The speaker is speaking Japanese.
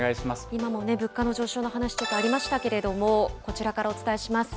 今も物価の上昇の話、ちょっとありましたけれども、こちらからお伝えします。